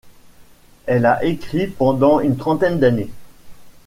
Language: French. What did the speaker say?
Elle a écrit pendant une trentaine d'années.